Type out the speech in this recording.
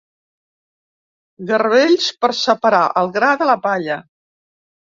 Garbells per separar el gra de la palla.